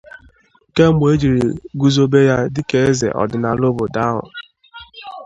kemgbe e jiri guzobe ya dịka eze ọdịnala obodo ahụ